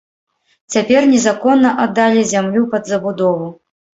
Цяпер незаконна аддалі зямлю пад забудову.